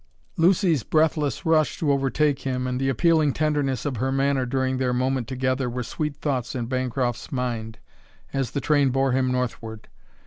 Lucy's breathless rush to overtake him and the appealing tenderness of her manner during their moment together were sweet thoughts in Bancroft's mind as the train bore him northward.